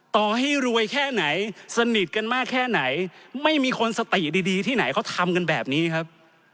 ต่อให้รวยแค่ไหนสนิทกันมากแค่ไหนไม่มีคนสติดีที่ไหนเขาทำกันแบบนี้ครับ